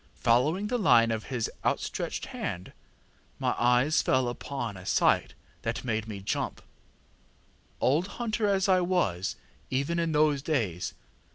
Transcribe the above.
Following the line of his outstretched hand, my eyes fell upon a sight that made me jump, old hunter as I was even in those days.